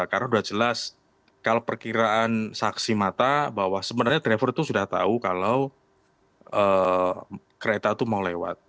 karena sudah jelas kalau perkiraan saksi mata bahwa sebenarnya driver itu sudah tahu kalau kereta itu mau lewat